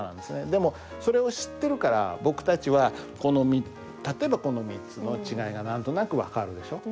でもそれを知ってるから僕たちはこの例えばこの３つの違いが何となく分かるでしょ。